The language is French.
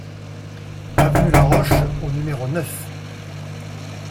Avenue Laroche au numéro neuf